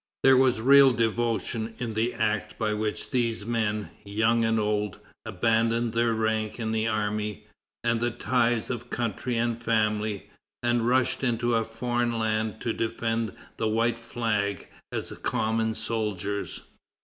There was real devotion in the act by which these men, young and old, abandoned their rank in the army, and the ties of country and family, and rushed into a foreign land to defend the white flag as common soldiers....